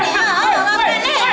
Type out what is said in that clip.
bapak nih uangnya